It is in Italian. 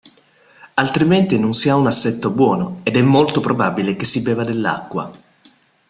Altrimenti non si ha un assetto buono ed è molto probabile che si beva dell'acqua.